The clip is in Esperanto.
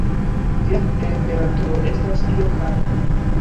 Via temperaturo estas iom alta.